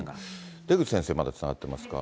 出口先生、まだつながっていますか？